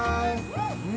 うん。